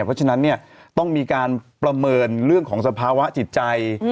เพราะฉะนั้นเนี่ยต้องมีการประเมินเรื่องของสภาวะจิตใจ